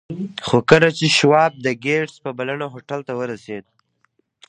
خو کله چې شواب د ګیټس په بلنه هوټل ته ورسېد